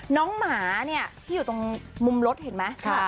หมาเนี่ยที่อยู่ตรงมุมรถเห็นไหม